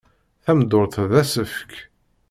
Tameddurt d asefk.